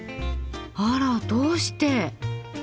あらどうして？